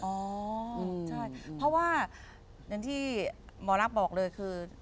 อ๋อใช่เพราะว่าอย่างที่หมอรักบอกเลยคือ